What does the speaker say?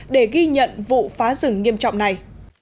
để ghi nhận vụ phá rừng nghiêm trọng này